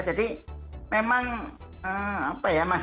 jadi memang apa ya